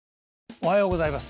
おはようございます。